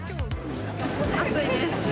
暑いです。